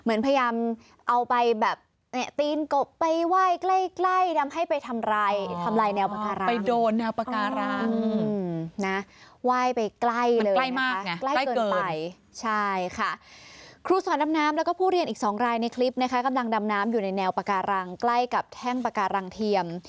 เหมือนพยายามเอาไปแบบ